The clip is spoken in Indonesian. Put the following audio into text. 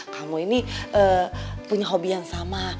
kamu ini punya hobi yang sama